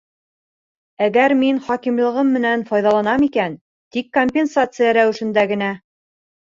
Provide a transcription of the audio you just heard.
Әгәр мин хакимлығым менән файҙаланам икән, тик компенсация рәүешендә генә.